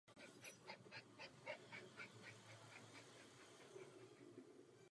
Byl na cestě k vedení Sovětského svazu.